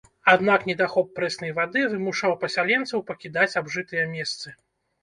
Аднак недахоп прэснай вады вымушаў пасяленцаў пакідаць абжытыя месцы.